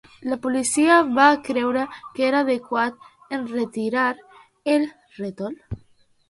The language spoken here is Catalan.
La policia va creure que era adequat enretirar el rètol?